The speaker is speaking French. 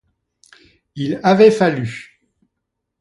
Il avait fallu.